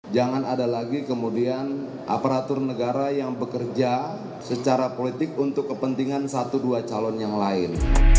jangan ada lagi kemudian aparatur negara yang bekerja secara politik untuk kepentingan satu dua calon yang lain